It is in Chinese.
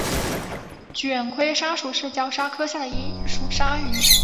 卷盔鲨属是角鲨科下的一属鲨鱼。